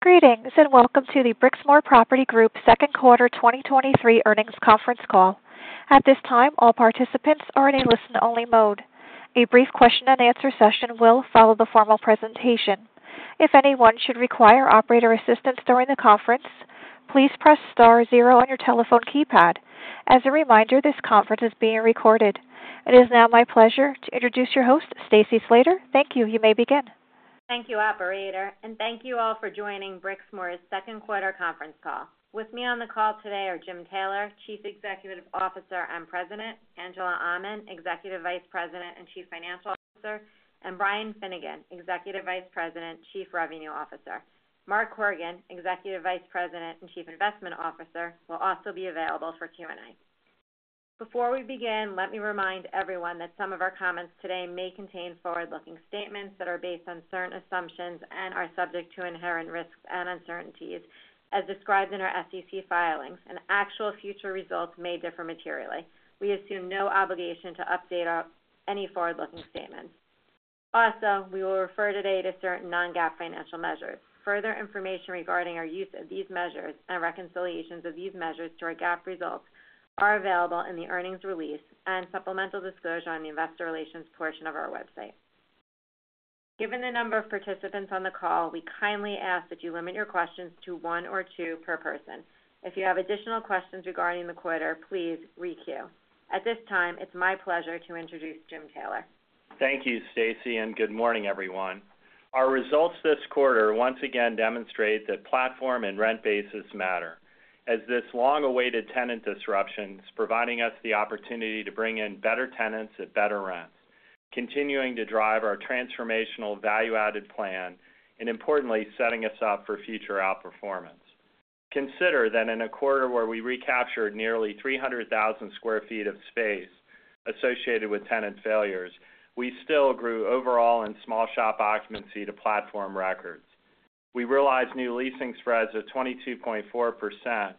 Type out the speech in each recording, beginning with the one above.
Greetings. Welcome to the Brixmor Property Group Second Quarter 2023 Earnings Conference Call. At this time, all participants are in a listen-only mode. A brief question-and-answer session will follow the formal presentation. If anyone should require operator assistance during the conference, please press star zero on your telephone keypad. As a reminder, this conference is being recorded. It is now my pleasure to introduce your host, Stacy Slater. Thank you. You may begin. Thank you, operator, and thank you all for joining Brixmor's Second Quarter Conference Call. With me on the call today are Jim Taylor, Chief Executive Officer and President; Angela Aman, Executive Vice President and Chief Financial Officer; and Brian Finnegan, Executive Vice President, Chief Revenue Officer. Mark Horgan, Executive Vice President and Chief Investment Officer, will also be available for Q&A. Before we begin, let me remind everyone that some of our comments today may contain forward-looking statements that are based on certain assumptions and are subject to inherent risks and uncertainties as described in our SEC filings. Actual future results may differ materially. We assume no obligation to update any forward-looking statements. Also, we will refer today to certain non-GAAP financial measures. Further information regarding our use of these measures and reconciliations of these measures to our GAAP results are available in the earnings release and supplemental disclosure on the investor relations portion of our website. Given the number of participants on the call, we kindly ask that you limit your questions to one or two per person. If you have additional questions regarding the quarter, please re-queue. At this time, it's my pleasure to introduce Jim Taylor. Thank you, Stacy. Good morning, everyone. Our results this quarter once again demonstrate that platform and rent basis matter, as this long-awaited tenant disruption is providing us the opportunity to bring in better tenants at better rents, continuing to drive our transformational value-added plan and importantly, setting us up for future outperformance. Consider that in a quarter where we recaptured nearly 300,000 sq ft of space associated with tenant failures, we still grew overall in small shop occupancy to platform records. We realized new leasing spreads of 22.4%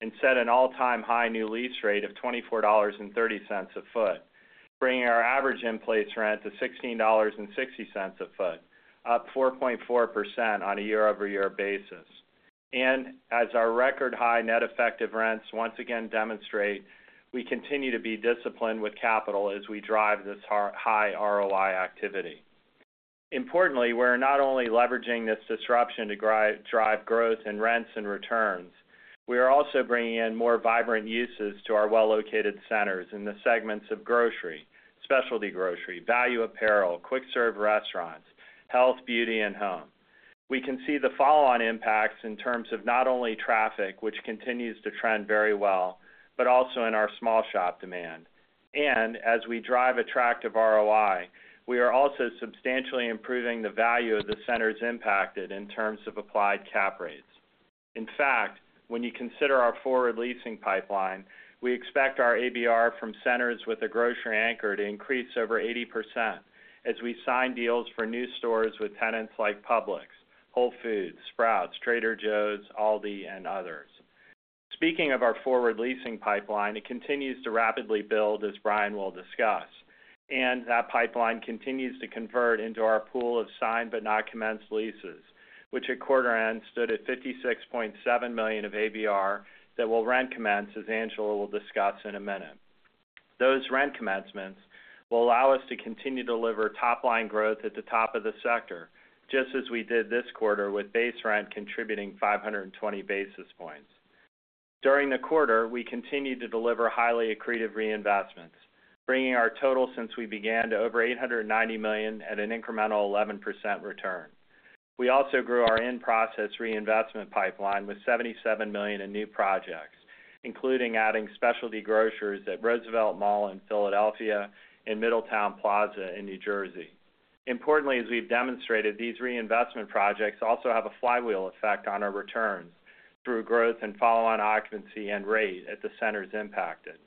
and set an all-time high new lease rate of $24.30 a foot, bringing our average in-place rent to $16.60 a foot, up 4.4% on a year-over-year basis. As our record high net effective rents once again demonstrate, we continue to be disciplined with capital as we drive this high ROI activity. Importantly, we're not only leveraging this disruption to drive growth in rents and returns, we are also bringing in more vibrant uses to our well-located centers in the segments of grocery, specialty grocery, value apparel, quick serve restaurants, health, beauty, and home. We can see the follow-on impacts in terms of not only traffic, which continues to trend very well, but also in our small shop demand. As we drive attractive ROI, we are also substantially improving the value of the centers impacted in terms of applied cap rates. In fact, when you consider our forward leasing pipeline, we expect our ABR from centers with a grocery anchor to increase over 80% as we sign deals for new stores with tenants like Publix, Whole Foods, Sprouts, Trader Joe's, Aldi, and others. Speaking of our forward leasing pipeline, it continues to rapidly build, as Brian will discuss. That pipeline continues to convert into our pool of signed but not commenced leases, which at quarter end stood at $56.7 million of ABR that will rent commence, as Angela will discuss in a minute. Those rent commencements will allow us to continue to deliver top-line growth at the top of the sector, just as we did this quarter with base rent contributing 520 basis points. During the quarter, we continued to deliver highly accretive reinvestments, bringing our total since we began to over $890 million at an incremental 11% return. We also grew our in-process reinvestment pipeline with $77 million in new projects, including adding specialty grocers at Roosevelt Mall in Philadelphia and Middletown Plaza in New Jersey. Importantly, as we've demonstrated, these reinvestment projects also have a flywheel effect on our returns through growth and follow-on occupancy and rate at the centers impacted.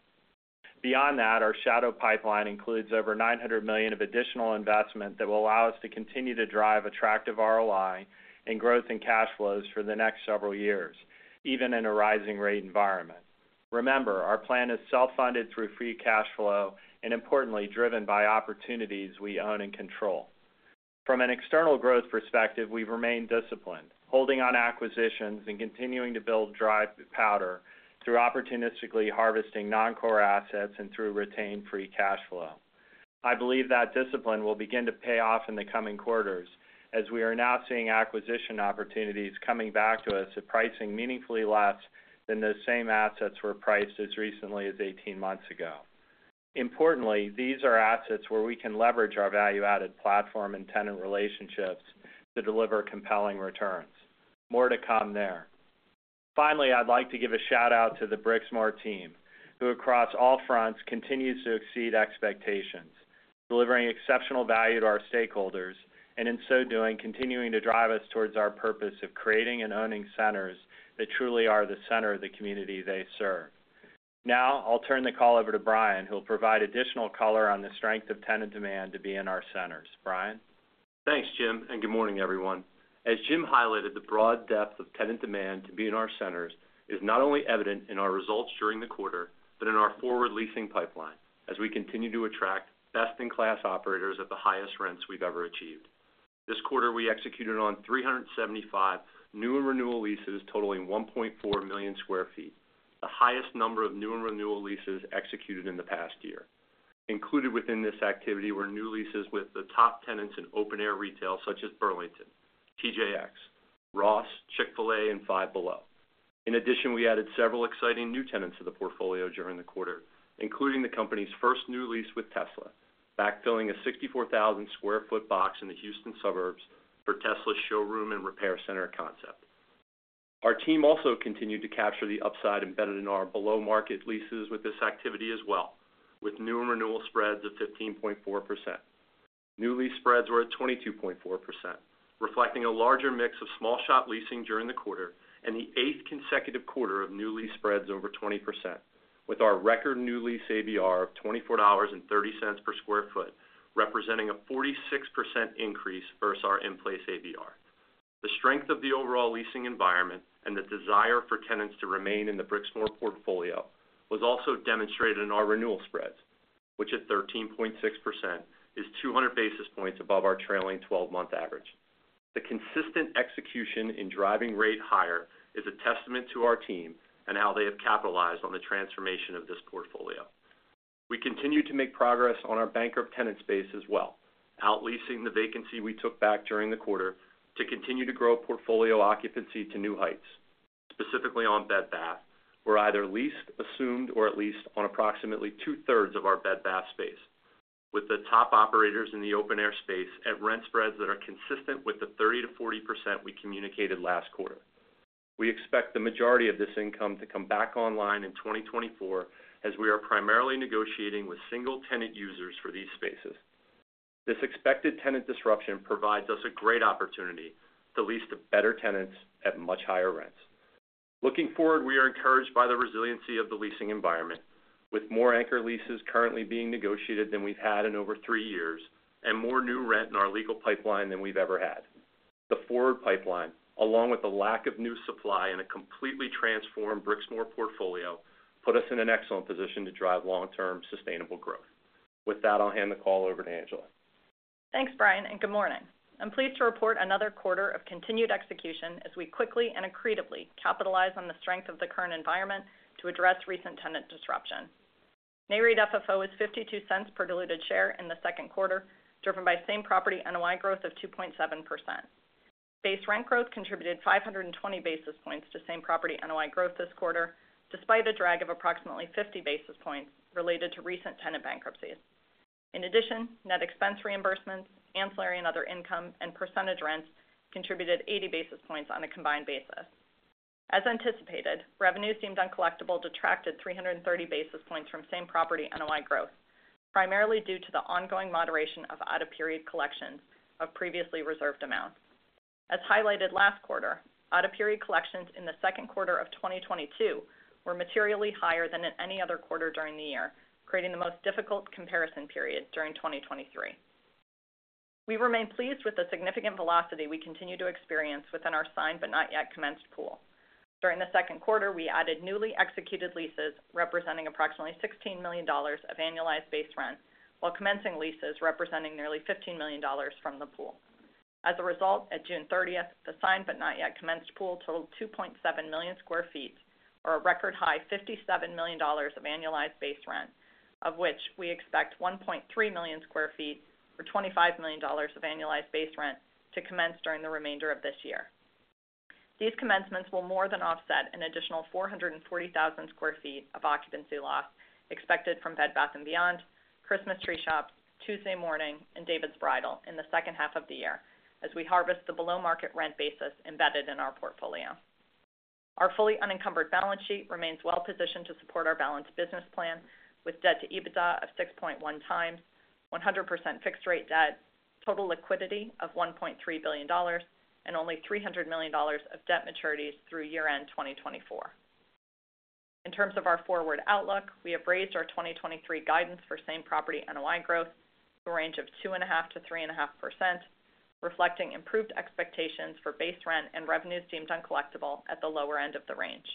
Beyond that, our shadow pipeline includes over $900 million of additional investment that will allow us to continue to drive attractive ROI and growth in cash flows for the next several years, even in a rising rate environment. Remember, our plan is self-funded through free cash flow and importantly, driven by opportunities we own and control. From an external growth perspective, we've remained disciplined, holding on acquisitions and continuing to build dry powder through opportunistically harvesting non-core assets and through retained free cash flow. I believe that discipline will begin to pay off in the coming quarters, as we are now seeing acquisition opportunities coming back to us at pricing meaningfully less than those same assets were priced as recently as 18 months ago. Importantly, these are assets where we can leverage our value-added platform and tenant relationships to deliver compelling returns. More to come there. Finally, I'd like to give a shout-out to the Brixmor team, who across all fronts, continues to exceed expectations, delivering exceptional value to our stakeholders, and in so doing, continuing to drive us towards our purpose of creating and owning centers that truly are the center of the community they serve. Now, I'll turn the call over to Brian, who'll provide additional color on the strength of tenant demand to be in our centers. Brian? Thanks, Jim. Good morning, everyone. As Jim highlighted, the broad depth of tenant demand to be in our centers is not only evident in our results during the quarter, but in our forward leasing pipeline, as we continue to attract best-in-class operators at the highest rents we've ever achieved. This quarter, we executed on 375 new and renewal leases totaling 1.4 million sq ft, the highest number of new and renewal leases executed in the past year. Included within this activity were new leases with the top tenants in open-air retail, such as Burlington, TJX, Ross, Chick-fil-A, and Five Below. In addition, we added several exciting new tenants to the portfolio during the quarter, including the company's first new lease with Tesla, backfilling a 64,000 sq ft box in the Houston suburbs for Tesla's showroom and repair center concept. Our team also continued to capture the upside embedded in our below-market leases with this activity as well, with new and renewal spreads of 15.4%. New lease spreads were at 22.4%, reflecting a larger mix of small shop leasing during the quarter and the 8th consecutive quarter of new lease spreads over 20%, with our record new lease ABR of $24.30 per square foot, representing a 46% increase versus our in-place ABR. The strength of the overall leasing environment and the desire for tenants to remain in the Brixmor portfolio was also demonstrated in our renewal spreads, which at 13.6%, is 200 basis points above our trailing 12-month average. The consistent execution in driving rate higher is a testament to our team and how they have capitalized on the transformation of this portfolio. We continue to make progress on our bankrupt tenant space as well, out leasing the vacancy we took back during the quarter to continue to grow portfolio occupancy to new heights, specifically on Bed Bath, where either leased, assumed, or at leased on approximately two-thirds of our Bed Bath space, with the top operators in the open-air space at rent spreads that are consistent with the 30%-40% we communicated last quarter. We expect the majority of this income to come back online in 2024, as we are primarily negotiating with single tenant users for these spaces. This expected tenant disruption provides us a great opportunity to lease to better tenants at much higher rents. Looking forward, we are encouraged by the resiliency of the leasing environment, with more anchor leases currently being negotiated than we've had in over three years, and more new rent in our legal pipeline than we've ever had. The forward pipeline, along with the lack of new supply and a completely transformed Brixmor portfolio, put us in an excellent position to drive long-term sustainable growth. With that, I'll hand the call over to Angela. Thanks, Brian. Good morning. I'm pleased to report another quarter of continued execution as we quickly and accretively capitalize on the strength of the current environment to address recent tenant disruption. Nareit FFO is $0.52 per diluted share in the second quarter, driven by Same-Property NOI growth of 2.7%. Base rent growth contributed 520 basis points to Same-Property NOI growth this quarter, despite a drag of approximately 50 basis points related to recent tenant bankruptcies. In addition, net expense reimbursements, ancillary and other income, and percentage rents contributed 80 basis points on a combined basis. As anticipated, revenues deemed uncollectible detracted 330 basis points from Same-Property NOI growth, primarily due to the ongoing moderation of out-of-period collections of previously reserved amounts. As highlighted last quarter, out-of-period collections in the 2Q 2022 were materially higher than in any other quarter during the year, creating the most difficult comparison period during 2023. We remain pleased with the significant velocity we continue to experience within our signed but not yet commenced pool. During the 2Q, we added newly executed leases representing approximately $16 million of annualized base rent, while commencing leases representing nearly $15 million from the pool. As a result, at June 30th, the signed but not yet commenced pool totaled 2.7 million sq ft, or a record high $57 million of annualized base rent, of which we expect 1.3 million sq ft, or $25 million of annualized base rent to commence during the remainder of this year. These commencements will more than offset an additional 440,000 sq ft of occupancy loss expected from Bed Bath & Beyond, Christmas Tree Shops, Tuesday Morning, and David's Bridal in the second half of the year, as we harvest the below-market rent basis embedded in our portfolio. Our fully unencumbered balance sheet remains well positioned to support our balanced business plan, with debt-to-EBITDA of 6.1 times, 100% fixed rate debt, total liquidity of $1.3 billion, and only $300 million of debt maturities through year-end 2024. In terms of our forward outlook, we have raised our 2023 guidance for Same-Property NOI growth to a range of 2.5%-3.5%, reflecting improved expectations for base rent and revenues deemed uncollectible at the lower end of the range.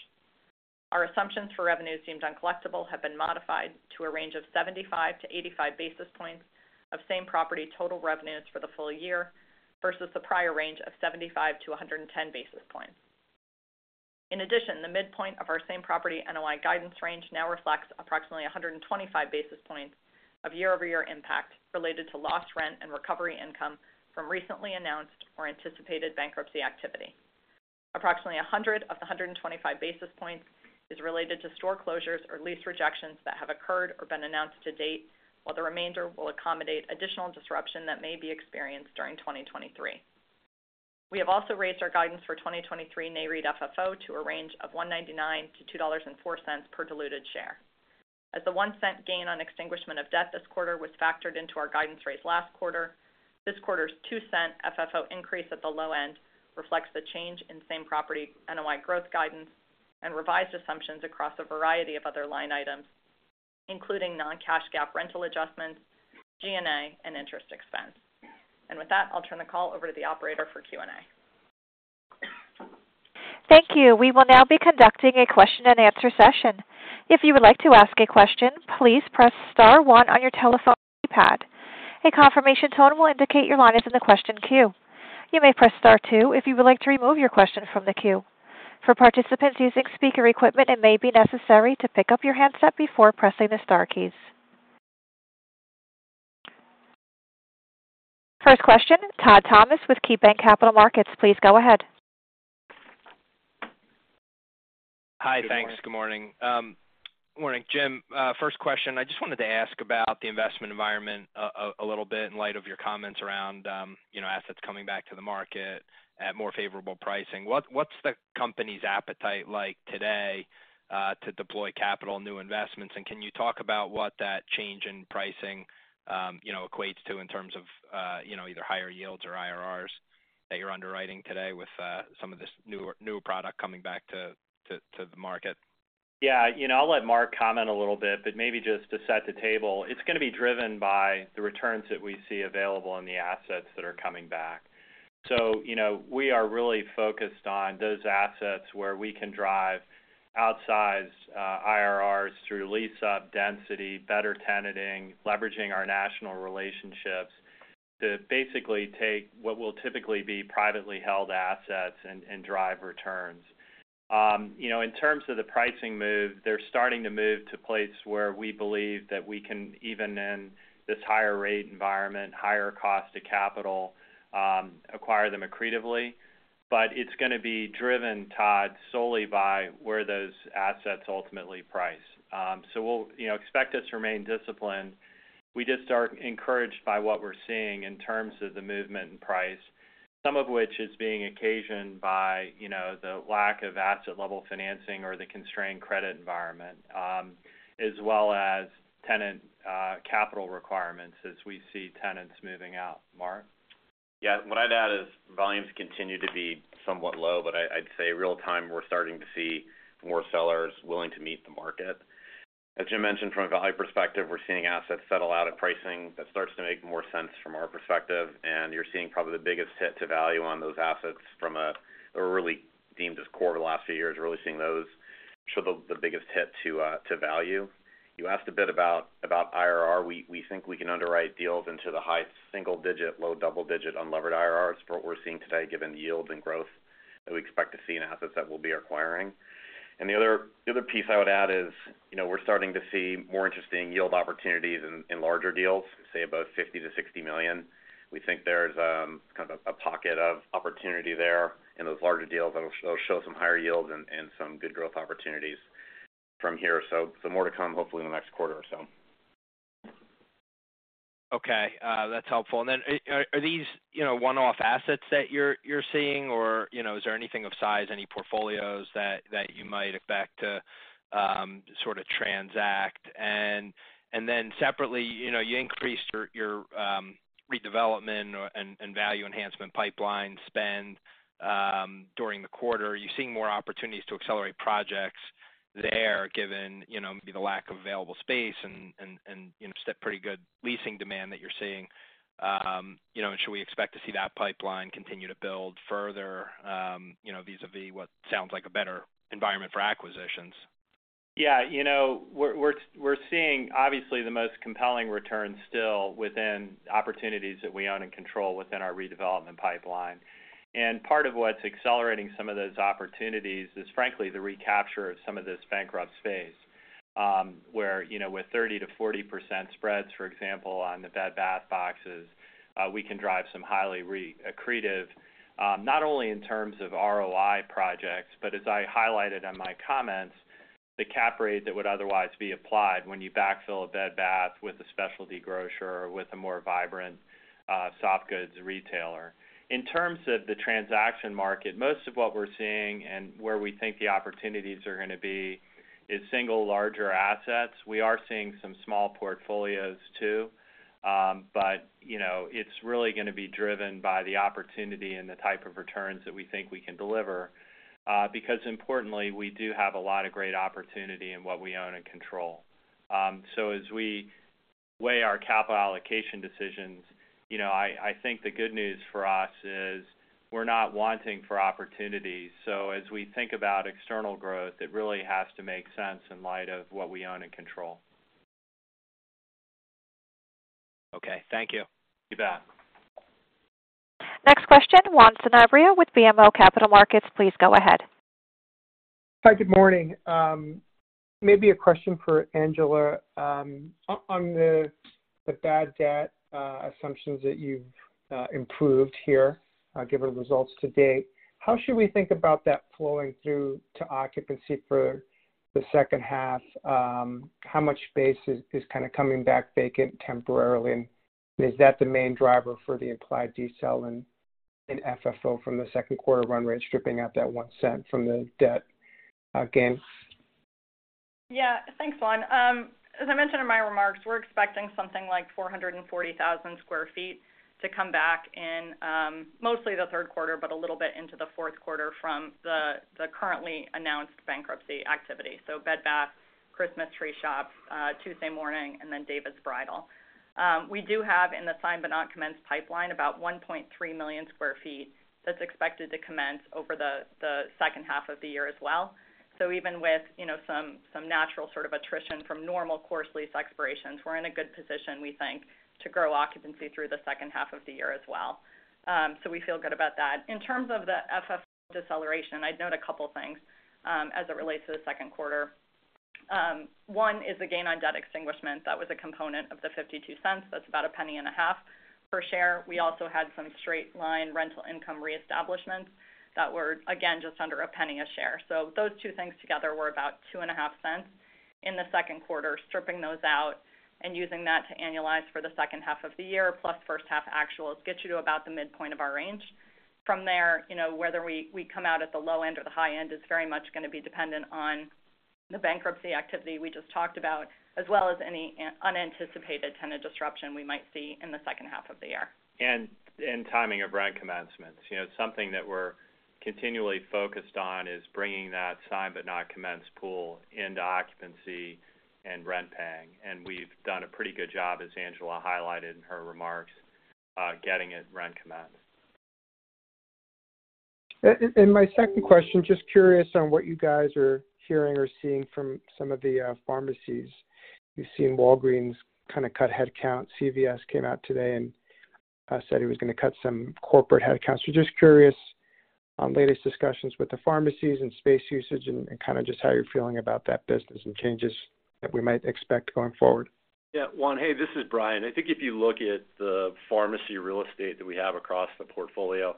Our assumptions for revenues deemed uncollectible have been modified to a range of 75-85 basis points of same-property total revenues for the full year versus the prior range of 75-110 basis points. In addition, the midpoint of our Same-Property NOI guidance range now reflects approximately 125 basis points of year-over-year impact related to lost rent and recovery income from recently announced or anticipated bankruptcy activity. Approximately 100 of the 125 basis points is related to store closures or lease rejections that have occurred or been announced to date, while the remainder will accommodate additional disruption that may be experienced during 2023. We have also raised our guidance for 2023 Nareit FFO to a range of $1.99-$2.04 per diluted share. As the $0.01 gain on extinguishment of debt this quarter was factored into our guidance raise last quarter, this quarter's $0.02 FFO increase at the low end reflects the change in Same-Property NOI growth guidance and revised assumptions across a variety of other line items, including non-cash GAAP, rental adjustments, G&A, and interest expense. With that, I'll turn the call over to the operator for Q&A. Thank you. We will now be conducting a question-and-answer session. If you would like to ask a question, please press star one on your telephone keypad. A confirmation tone will indicate your line is in the question queue. You may press star two if you would like to remove your question from the queue. For participants using speaker equipment, it may be necessary to pick up your handset before pressing the star keys. First question, Todd Thomas with KeyBanc Capital Markets, please go ahead. Hi. Thanks. Good morning. Morning, Jim. First question, I just wanted to ask about the investment environment a little bit in light of your comments around, you know, assets coming back to the market at more favorable pricing. What's the company's appetite like today, to deploy capital and new investments? Can you talk about what that change in pricing, you know, equates to in terms of, you know, either higher yields or IRRs that you're underwriting today with, some of this new product coming back to the market? Yeah. You know, I'll let Mark comment a little bit, but maybe just to set the table, it's going to be driven by the returns that we see available on the assets that are coming back. You know, we are really focused on those assets where we can drive outsized IRRs through lease-up density, better tenanting, leveraging our national relationships to basically take what will typically be privately held assets and, and drive returns. You know, in terms of the pricing move, they're starting to move to a place where we believe that we can, even in this higher rate environment, higher cost to capital, acquire them accretively. It's going to be driven, Todd, solely by where those assets ultimately price. We'll You know, expect us to remain disciplined. We just are encouraged by what we're seeing in terms of the movement in price, some of which is being occasioned by, you know, the lack of asset level financing or the constrained credit environment, as well as tenant, capital requirements as we see tenants moving out. Mark? Yeah. What I'd add is volumes continue to be somewhat low, I'd say real time, we're starting to see more sellers willing to meet the market. As Jim mentioned, from a value perspective, we're seeing assets settle out at pricing. That starts to make more sense from our perspective, and you're seeing probably the biggest hit to value on those assets from, or really deemed as core the last few years, we're really seeing those show the, the biggest hit to value. You asked a bit about, about IRR. We, we think we can underwrite deals into the high single-digit, low double-digit unlevered IRRs for what we're seeing today, given the yields and growth that we expect to see in assets that we'll be acquiring. The other, the other piece I would add is, you know, we're starting to see more interesting yield opportunities in, in larger deals, say, about $50 million-$60 million. We think there's, kind of a pocket of opportunity there in those larger deals that'll show some higher yields and, and some good growth opportunities from here. Some more to come, hopefully in the next quarter or so. Okay, that's helpful. Then, are these, you know, one-off assets that you're seeing? Or, you know, is there anything of size, any portfolios that you might expect to sort of transact? Then separately, you know, you increased your redevelopment or, and value enhancement pipeline spend during the quarter. Are you seeing more opportunities to accelerate projects there, given, you know, maybe the lack of available space and, you know, pretty good leasing demand that you're seeing? You know, and should we expect to see that pipeline continue to build further, you know, vis-a-vis what sounds like a better environment for acquisitions? Yeah. You know, we're seeing obviously the most compelling returns still within opportunities that we own and control within our redevelopment pipeline. Part of what's accelerating some of those opportunities is, frankly, the recapture of some of this bankrupt space, where, you know, with 30%-40% spreads, for example, on the Bed Bath boxes, we can drive some highly re- accretive, not only in terms of ROI projects, but as I highlighted in my comments, the cap rate that would otherwise be applied when you backfill a Bed Bath with a specialty grocer or with a more vibrant, soft goods retailer. In terms of the transaction market, most of what we're seeing and where we think the opportunities are going to be is single larger assets. We are seeing some small portfolios too. You know, it's really going to be driven by the opportunity and the type of returns that we think we can deliver, because importantly, we do have a lot of great opportunity in what we own and control. As we weigh our capital allocation decisions, you know, I, I think the good news for us is we're not wanting for opportunities. As we think about external growth, it really has to make sense in light of what we own and control. Okay. Thank you. You bet. Next question, Juan Sanabria with BMO Capital Markets, please go ahead. Hi, good morning. Maybe a question for Angela. On the bad debt assumptions that you've improved here, given the results to date, how should we think about that flowing through to occupancy for the second half? How much space is kind of coming back vacant temporarily? Is that the main driver for the implied decel in FFO from the second quarter run rate, stripping out that $0.01 from the debt gain? Yeah, thanks, Juan. As I mentioned in my remarks, we're expecting something like 440,000 sq ft to come back in, mostly the third quarter, but a little bit into the fourth quarter from the, the currently announced bankruptcy activity. Bed Bath, Christmas Tree Shops, Tuesday Morning, and then David's Bridal. We do have in the signed but not commenced pipeline, about 1.3 million sq ft that's expected to commence over the, the second half of the year as well. Even with, you know, some, some natural sort of attrition from normal course lease expirations, we're in a good position, we think, to grow occupancy through the second half of the year as well. We feel good about that. In terms of the FFO deceleration, I'd note a couple of things, as it relates to the second quarter. One is the gain on debt extinguishment. That was a component of the $0.52. That's about $0.015 per share. We also had some straight line rental income reestablishments that were, again, just under $0.01 a share. Those two things together were about $0.025 in the second quarter, stripping those out and using that to annualize for the second half of the year, plus first half actuals, gets you to about the midpoint of our range. From there, you know, whether we, we come out at the low end or the high end is very much gonna be dependent on the bankruptcy activity we just talked about, as well as any unanticipated tenant disruption we might see in the second half of the year. Timing of rent commencements. You know, something that we're continually focused on is bringing that signed but not commenced pool into occupancy and rent paying. We've done a pretty good job, as Angela highlighted in her remarks, getting it rent commenced. My second question, just curious on what you guys are hearing or seeing from some of the pharmacies? You've seen Walgreens kinda cut headcount. CVS came out today and said it was gonna cut some corporate headcounts. Just curious on latest discussions with the pharmacies and space usage and, and kinda just how you're feeling about that business and changes that we might expect going forward? Yeah, Juan, hey, this is Brian. I think if you look at the pharmacy real estate that we have across the portfolio,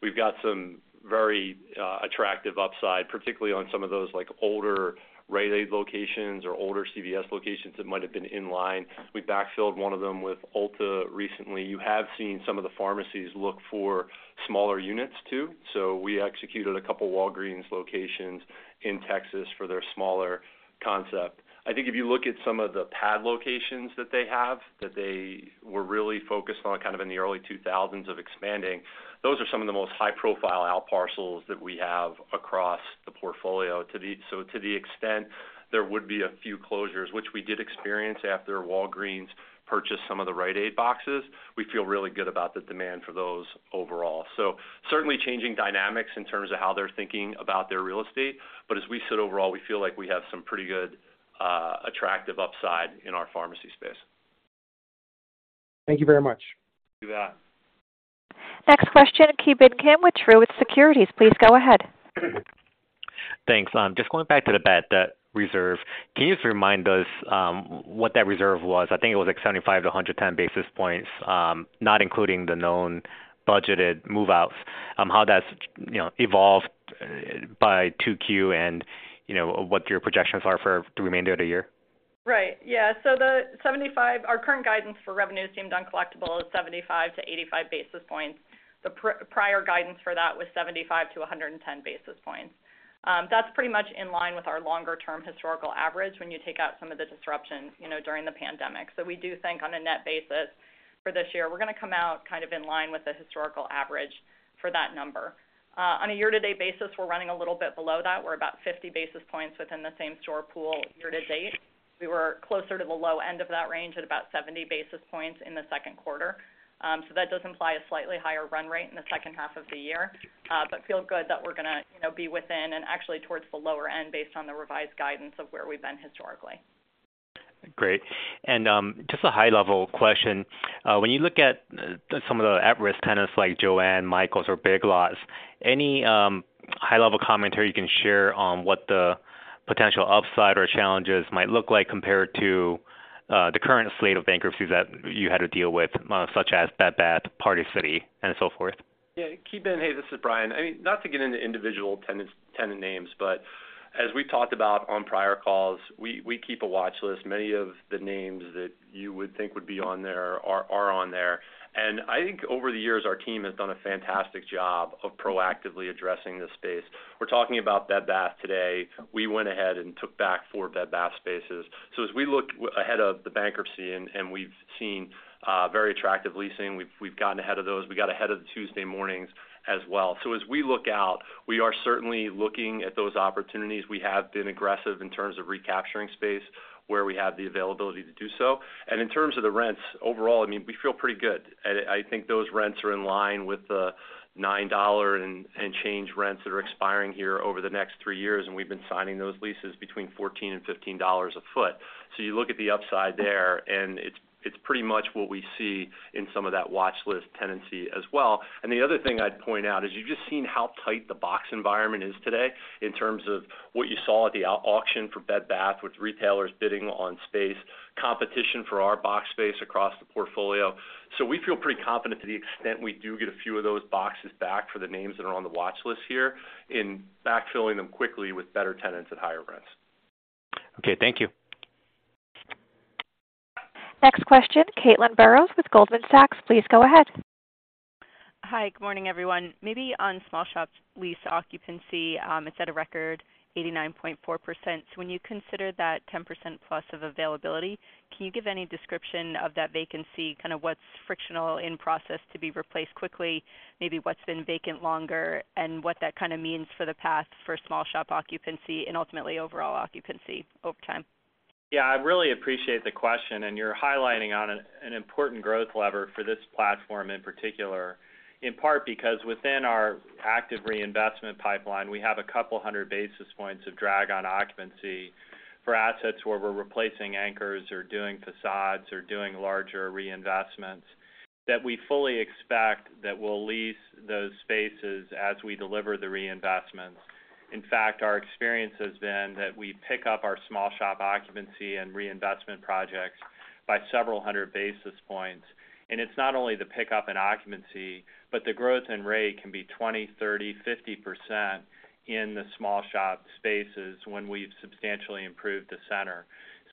we've got some very attractive upside, particularly on some of those like older Rite Aid locations or older CVS locations that might have been in line. We backfilled one of them with Ulta recently. You have seen some of the pharmacies look for smaller units, too, so we executed a couple of Walgreens locations in Texas for their smaller concept. I think if you look at some of the pad locations that they have, that they were really focused on kind of in the early 2000s of expanding, those are some of the most high-profile out parcels that we have across the portfolio. To the extent there would be a few closures, which we did experience after Walgreens purchased some of the Rite Aid boxes, we feel really good about the demand for those overall. Certainly changing dynamics in terms of how they're thinking about their real estate, but as we said, overall, we feel like we have some pretty good attractive upside in our pharmacy space. Thank you very much. Thank you for that. Next question, Ki Bin Kim with Truist Securities. Please go ahead. Thanks. Just going back to the bad debt reserve, can you just remind us, what that reserve was? I think it was like 75-110 basis points, not including the known budgeted move-outs, how that's, you know, evolved by 2Q and, you know, what your projections are for the remainder of the year. Right. Yeah, so our current guidance for revenue deemed uncollectible is 75-85 basis points. The prior guidance for that was 75-110 basis points. That's pretty much in line with our longer-term historical average when you take out some of the disruptions, you know, during the pandemic. So we do think on a net basis for this year, we're gonna come out kind of in line with the historical average for that number. On a year-to-date basis, we're running a little bit below that. We're about 50 basis points within the same store pool year to date. We were closer to the low end of that range at about 70 basis points in the second quarter. That does imply a slightly higher run rate in the second half of the year, but feel good that we're gonna, you know, be within and actually towards the lower end based on the revised guidance of where we've been historically. Great. Just a high-level question. When you look at some of the at-risk tenants like JOANN, Michaels, or Big Lots, any high-level commentary you can share on what the potential upside or challenges might look like compared to the current slate of bankruptcies that you had to deal with, such as Bed Bath, Party City, and so forth? Yeah, Ki Bin, hey, this is Brian. I mean, not to get into individual tenants- tenant names, but as we've talked about on prior calls, we keep a watch list. Many of the names that you would think would be on there are, are on there. I think over the years, our team has done a fantastic job of proactively addressing this space. We're talking about Bed Bath today. We went ahead and took back 4 Bed Bath spaces. As we look ahead of the bankruptcy and we've seen very attractive leasing, we've gotten ahead of those. We got ahead of the Tuesday Mornings as well. As we look out, we are certainly looking at those opportunities. We have been aggressive in terms of recapturing space where we have the availability to do so. In terms of the rents, overall, I mean, we feel pretty good. I think those rents are in line with the $9 and change rents that are expiring here over the next three years, and we've been signing those leases between $14 and $15 a foot. You look at the upside there, and it's, it's pretty much what we see in some of that watchlist tenancy as well. The other thing I'd point out is you've just seen how tight the box environment is today in terms of what you saw at the auction for Bed Bath, with retailers bidding on space, competition for our box space across the portfolio. We feel pretty confident to the extent we do get a few of those boxes back for the names that are on the watchlist here, in backfilling them quickly with better tenants at higher rents. Okay, thank you. Next question, Caitlin Burrows with Goldman Sachs. Please go ahead. Hi, good morning, everyone. Maybe on small shops lease occupancy, it's at a record 89.4%. When you consider that 10%+ of availability, can you give any description of that vacancy? Kinda what's frictional in process to be replaced quickly, maybe what's been vacant longer, and what that kinda means for the path for small shop occupancy and ultimately overall occupancy over time? Yeah, I really appreciate the question. You're highlighting on an important growth lever for this platform, in particular. In part, because within our active reinvestment pipeline, we have a couple of 100 basis points of drag on occupancy for assets where we're replacing anchors or doing facades or doing larger reinvestments, that we fully expect that we'll lease those spaces as we deliver the reinvestments. In fact, our experience has been that we pick up our small shop occupancy and reinvestment projects by several 100 basis points. It's not only the pickup in occupancy, but the growth in rate can be 20%, 30%, 50% in the small shop spaces when we've substantially improved the center.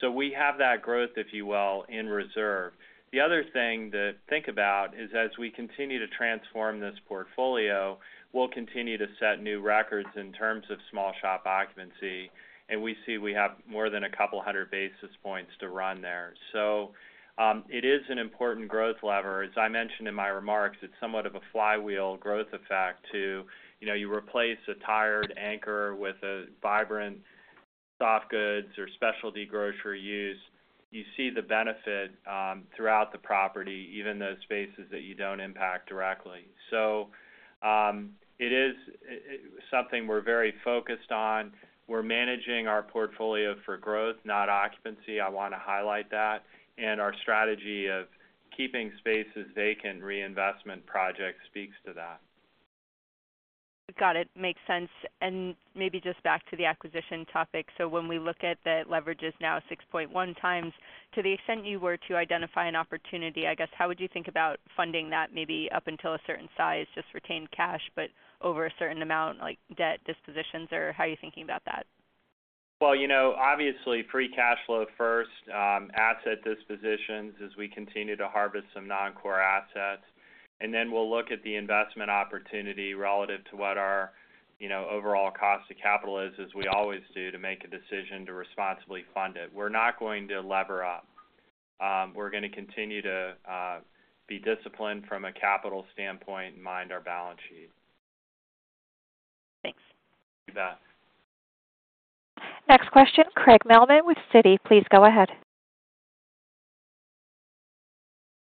We have that growth, if you will, in reserve. The other thing to think about is as we continue to transform this portfolio, we'll continue to set new records in terms of small shop occupancy. We see we have more than a couple hundred basis points to run there. It is an important growth lever. As I mentioned in my remarks, it's somewhat of a flywheel growth effect to, you know, you replace a tired anchor with a vibrant soft goods or specialty grocery use, you see the benefit throughout the property, even those spaces that you don't impact directly. It is something we're very focused on. We're managing our portfolio for growth, not occupancy. I wanna highlight that. Our strategy of keeping spaces vacant, reinvestment projects speaks to that. Got it. Makes sense. Maybe just back to the acquisition topic. When we look at the leverages now 6.1 times, to the extent you were to identify an opportunity, I guess, how would you think about funding that maybe up until a certain size, just retained cash, but over a certain amount, like debt dispositions, or how are you thinking about that? Well, you know, obviously, free cash flow first, asset dispositions as we continue to harvest some non-core assets, and then we'll look at the investment opportunity relative to what our, you know, overall cost of capital is, as we always do, to make a decision to responsibly fund it. We're not going to lever up. We're gonna continue to be disciplined from a capital standpoint and mind our balance sheet. Thanks. You bet. Next question, Craig Mailman with Citi. Please go ahead.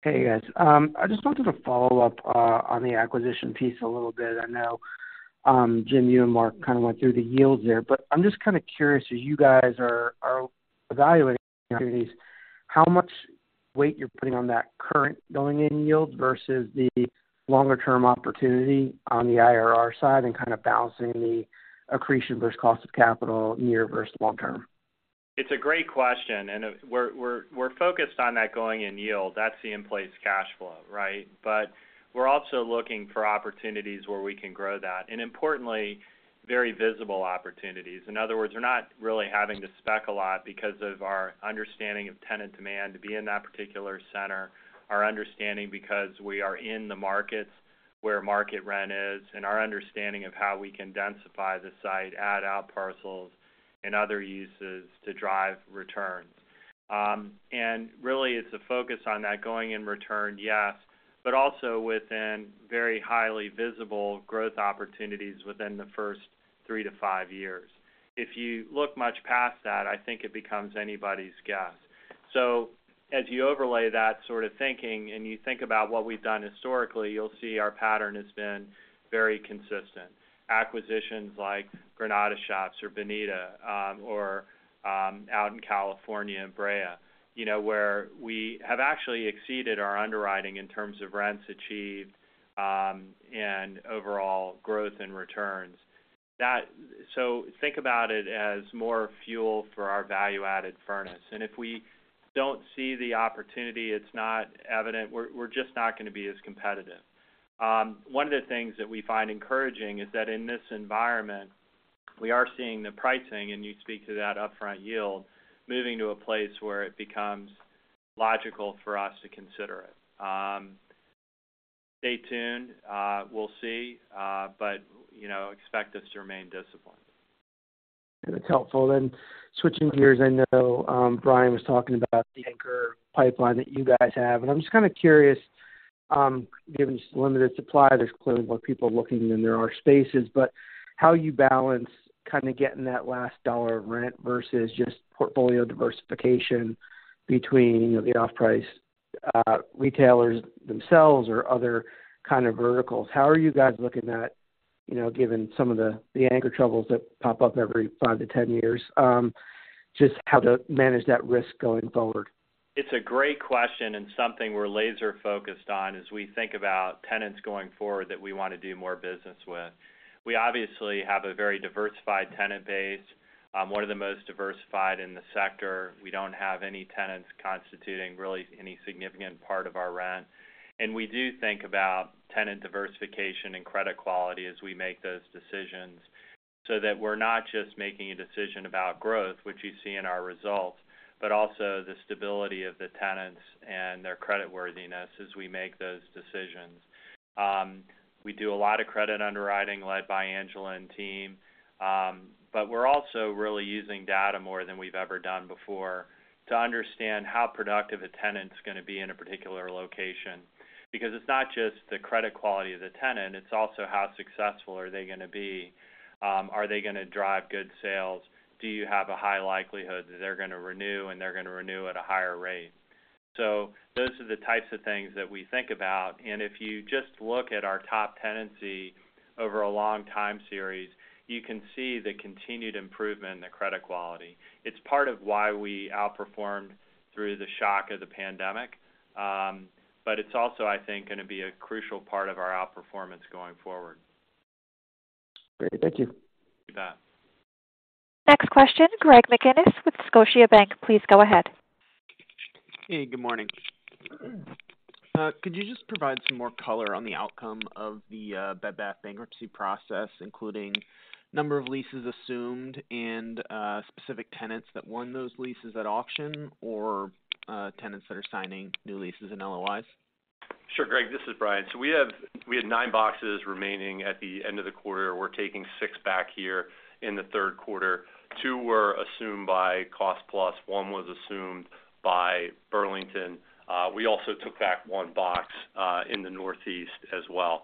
Hey, guys. I just wanted to follow up on the acquisition piece a little bit. I know, Jim, you and Mark kind of went through the yields there, but I'm just kind of curious, as you guys are, are evaluating opportunities, how much weight you're putting on that current going in yield versus the longer-term opportunity on the IRR side and kind of balancing the accretion versus cost of capital, near versus long term? It's a great question, and we're focused on that going in yield. That's the in-place cash flow, right? We're also looking for opportunities where we can grow that, and importantly, very visible opportunities. In other words, we're not really having to spec a lot because of our understanding of tenant demand to be in that particular center, our understanding, because we are in the markets where market rent is, and our understanding of how we can densify the site, add out parcels and other uses to drive returns. Really, it's a focus on that going in return, yes, but also within very highly visible growth opportunities within the first three to five years. If you look much past that, I think it becomes anybody's guess. As you overlay that sort of thinking and you think about what we've done historically, you'll see our pattern has been very consistent. Acquisitions like Granada Shoppes or Bonita, or out in California, in Brea, you know, where we have actually exceeded our underwriting in terms of rents achieved, and overall growth and returns. Think about it as more fuel for our value-added furnace. If we don't see the opportunity, it's not evident, we're, we're just not gonna be as competitive. One of the things that we find encouraging is that in this environment, we are seeing the pricing, and you speak to that upfront yield, moving to a place where it becomes logical for us to consider it. Stay tuned, we'll see, but, you know, expect us to remain disciplined. That's helpful. Switching gears, I know, Brian was talking about the anchor pipeline that you guys have, and I'm just kind of curious, given just the limited supply, there's clearly more people looking than there are spaces, but how you balance kinda getting that last dollar of rent versus just portfolio diversification between the off-price, retailers themselves or other kind of verticals. How are you guys looking at, you know, given some of the, the anchor troubles that pop up every five to 10 years, just how to manage that risk going forward? It's a great question and something we're laser-focused on as we think about tenants going forward that we wanna do more business with. We obviously have a very diversified tenant base, one of the most diversified in the sector. We don't have any tenants constituting really any significant part of our rent. We do think about tenant diversification and credit quality as we make those decisions. so that we're not just making a decision about growth, which you see in our results, but also the stability of the tenants and their creditworthiness as we make those decisions. We do a lot of credit underwriting led by Angela and team, but we're also really using data more than we've ever done before to understand how productive a tenant is gonna be in a particular location. Because it's not just the credit quality of the tenant, it's also how successful are they going to be? Are they going to drive good sales? Do you have a high likelihood that they're going to renew, and they're going to renew at a higher rate? Those are the types of things that we think about. If you just look at our top tenancy over a long time series, you can see the continued improvement in the credit quality. It's part of why we outperformed through the shock of the pandemic, it's also, I think, going to be a crucial part of our outperformance going forward. Great. Thank you. You bet. Next question, Greg McGinniss with Scotiabank. Please go ahead. Hey, good morning. Could you just provide some more color on the outcome of the Bed Bath bankruptcy process, including number of leases assumed and specific tenants that won those leases at auction, or tenants that are signing new leases and LOIs? Sure, Greg, this is Brian. We had nine boxes remaining at the end of the quarter. We're taking six back here in the third quarter. two were assumed by Cost Plus, one was assumed by Burlington. We also took back one box in the Northeast as well.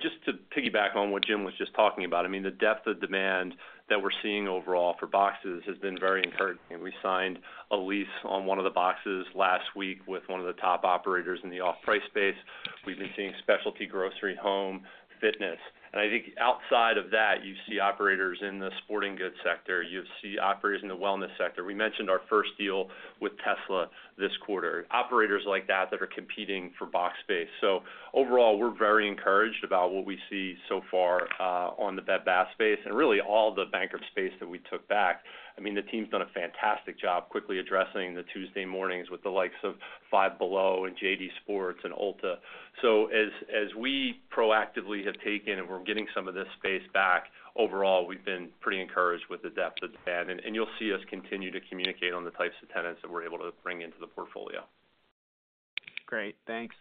Just to piggyback on what Jim was just talking about, I mean, the depth of demand that we're seeing overall for boxes has been very encouraging. We signed a lease on one of the boxes last week with one of the top operators in the off-price space. We've been seeing specialty grocery, home, fitness, and I think outside of that, you see operators in the sporting goods sector, you see operators in the wellness sector. We mentioned our first deal with Tesla this quarter, operators like that, that are competing for box space. Overall, we're very encouraged about what we see so far on the Bed Bath space and really all the bankrupt space that we took back. I mean, the team's done a fantastic job quickly addressing the Tuesday Morning with the likes of Five Below and JD Sports and Ulta. As, as we proactively have taken and we're getting some of this space back, overall, we've been pretty encouraged with the depth of demand, and you'll see us continue to communicate on the types of tenants that we're able to bring into the portfolio. Great, thanks.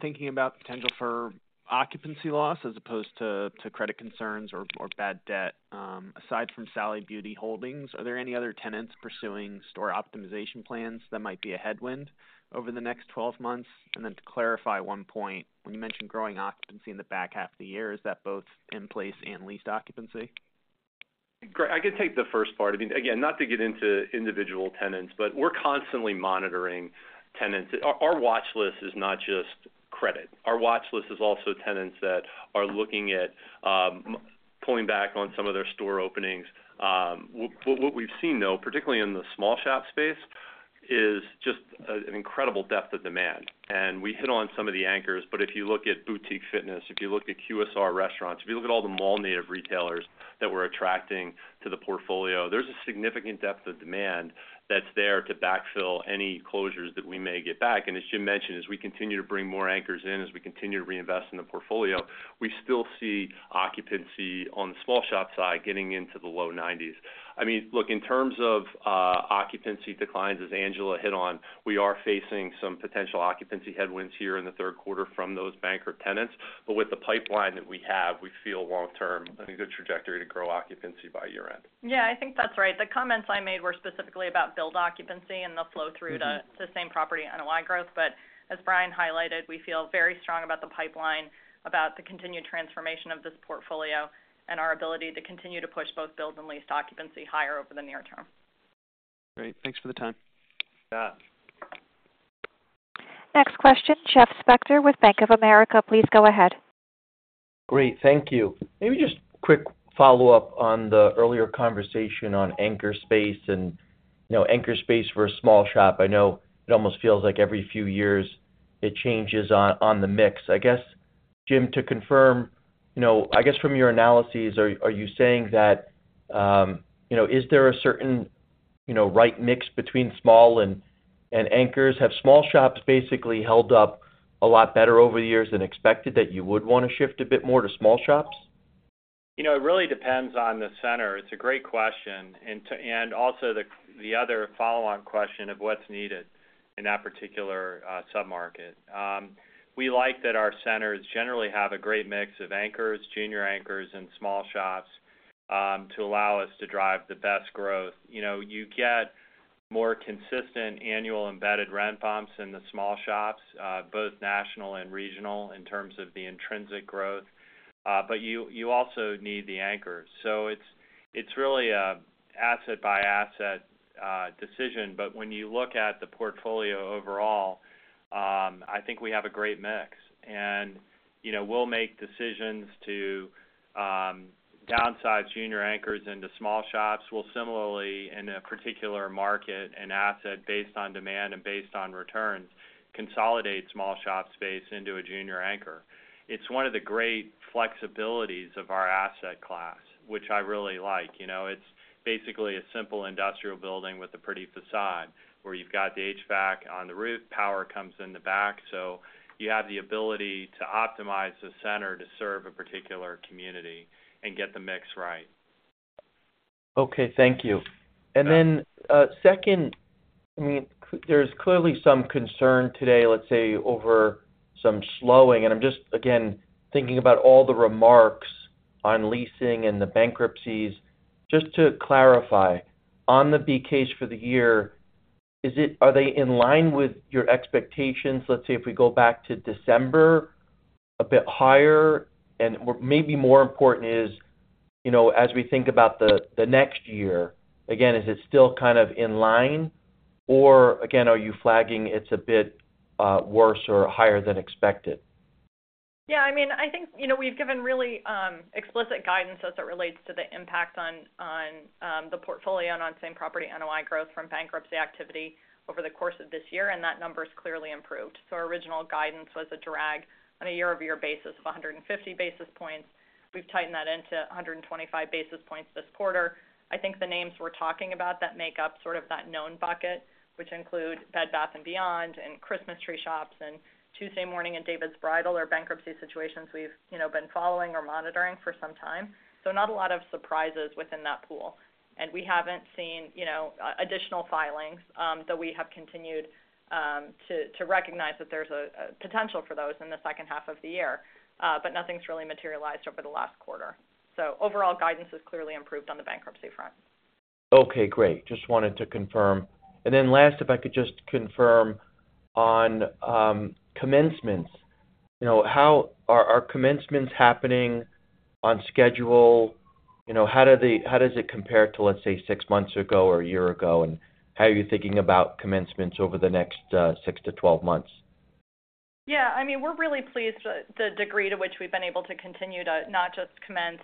Thinking about potential for occupancy loss as opposed to, to credit concerns or, or bad debt, aside from Sally Beauty Holdings, are there any other tenants pursuing store optimization plans that might be a headwind over the next 12 months? To clarify 1 point, when you mentioned growing occupancy in the back half of the year, is that both in place and leased occupancy? Great. I can take the first part. I mean, again, not to get into individual tenants, but we're constantly monitoring tenants. Our, our watch list is not just credit. Our watch list is also tenants that are looking at pulling back on some of their store openings. What we've seen, though, particularly in the small shop space, is just an incredible depth of demand. We hit on some of the anchors, but if you look at boutique fitness, if you look at QSR restaurants, if you look at all the mall-native retailers that we're attracting to the portfolio, there's a significant depth of demand that's there to backfill any closures that we may get back. As Jim mentioned, as we continue to bring more anchors in, as we continue to reinvest in the portfolio, we still see occupancy on the small shop side getting into the low nineties. I mean, look, in terms of occupancy declines, as Angela hit on, we are facing some potential occupancy headwinds here in the third quarter from those bankrupt tenants. With the pipeline that we have, we feel long term, in a good trajectory to grow occupancy by year-end. Yeah, I think that's right. The comments I made were specifically about build occupancy and the flow through to the same property NOI growth. As Brian highlighted, we feel very strong about the pipeline, about the continued transformation of this portfolio and our ability to continue to push both build and leased occupancy higher over the near term. Great. Thanks for the time. Yeah. Next question, Jeff Spector with Bank of America. Please go ahead. Great, thank you. Maybe just quick follow-up on the earlier conversation on anchor space and, you know, anchor space for a small shop. I know it almost feels like every few years it changes on, on the mix. I guess, Jim, to confirm, you know, I guess from your analyses, are, are you saying that, you know, is there a certain, you know, right mix between small and, and anchors? Have small shops basically held up a lot better over the years than expected, that you would want to shift a bit more to small shops? You know, it really depends on the center. It's a great question, and also the other follow-on question of what's needed in that particular submarket. We like that our centers generally have a great mix of anchors, junior anchors, and small shops to allow us to drive the best growth. You know, you get more consistent annual embedded rent bumps in the small shops, both national and regional, in terms of the intrinsic growth, but you also need the anchors. It's really a asset by asset decision. When you look at the portfolio overall, I think we have a great mix. You know, we'll make decisions to downsize junior anchors into small shops. We'll similarly, in a particular market and asset, based on demand and based on returns, consolidate small shop space into a junior anchor. It's one of the great flexibilities of our asset class, which I really like. You know, it's basically a simple industrial building with a pretty facade, where you've got the HVAC on the roof, power comes in the back, so you have the ability to optimize the center to serve a particular community and get the mix right. Okay, thank you. Then, second, I mean, there's clearly some concern today, let's say, over some slowing, and I'm just, again, thinking about all the remarks on leasing and the bankruptcies. Just to clarify, on the BKs for the year, are they in line with your expectations, let's say, if we go back to December, a bit higher? Maybe more important is, you know, as we think about the next year, again, is it still kind of in line? Again, are you flagging it's a bit worse or higher than expected? Yeah, I mean, I think, you know, we've given really explicit guidance as it relates to the impact on, on the portfolio and on Same-Property NOI growth from bankruptcy activity over the course of this year, and that number's clearly improved. Our original guidance was a drag on a year-over-year basis of 150 basis points. We've tightened that into 125 basis points this quarter. I think the names we're talking about that make up sort of that known bucket, which include Bed Bath & Beyond, and Christmas Tree Shops, and Tuesday Morning, and David's Bridal are bankruptcy situations we've, you know, been following or monitoring for some time. Not a lot of surprises within that pool. We haven't seen, you know, additional filings, though we have continued to, to recognize that there's a, a potential for those in the second half of the year, but nothing's really materialized over the last quarter. Overall, guidance has clearly improved on the bankruptcy front. Okay, great. Just wanted to confirm. Then last, if I could just confirm on commencements. You know, are commencements happening on schedule? You know, how does it compare to, let's say, 6 months ago or 1 year ago? How are you thinking about commencements over the next six to 12 months? Yeah, I mean, we're really pleased with the degree to which we've been able to continue to not just commence,